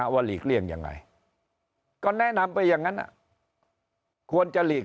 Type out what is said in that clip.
หลีกเลี่ยงยังไงก็แนะนำไปอย่างนั้นควรจะหลีก